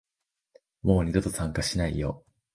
もう二度と参加しないよ